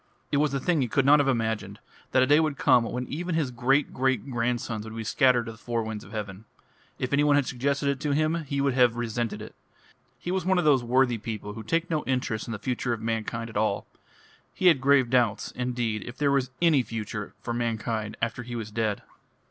It was a thing he could not have imagined, that a day would come when even his great great grandsons would be scattered to the four winds of heaven. If any one had suggested it to him he would have resented it. He was one of those worthy people who take no interest in the future of mankind at all. He had grave doubts, indeed, if there was any future for mankind after he was dead.